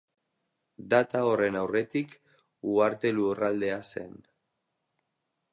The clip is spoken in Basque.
Data horren aurretik, Uharte Lurraldea zen.